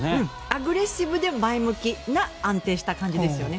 アグレッシブで前向きな安定した感じですよね。